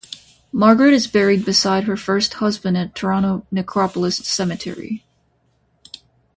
Margaret is buried beside her first husband at Toronto Necropolis Cemetery.